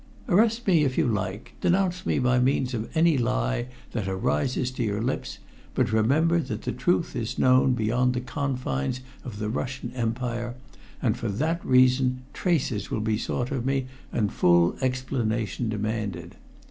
"Arrest me if you like. Denounce me by means of any lie that arises to your lips, but remember that the truth is known beyond the confines of the Russian Empire, and for that reason traces will be sought of me and full explanation demanded.